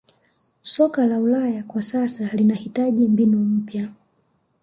soka la ulaya kwa sasa linahitaji mbinu mpya